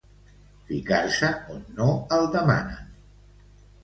Ficar-se on no el demanen.